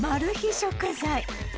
食材